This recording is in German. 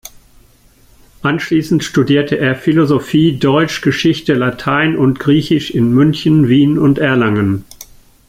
Anschließend studierte er Philosophie, Deutsch, Geschichte, Latein und Griechisch in München, Wien und Erlangen.